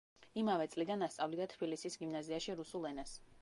იმავე წლიდან ასწავლიდა თბილისის გიმნაზიაში რუსულ ენას.